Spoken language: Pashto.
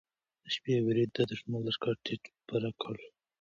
د شپې برید د دښمن لښکر تیت و پرک کړ.